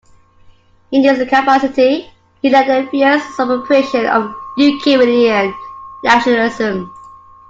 In this capacity, he led a fierce suppression of Ukrainian nationalism.